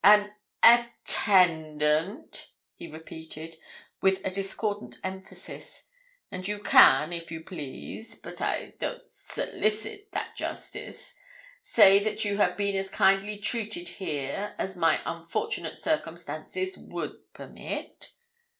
'An attendant,' he repeated, with a discordant emphasis; 'and you can, if you please but I don't solicit that justice say that you have been as kindly treated here as my unfortunate circumstances would permit.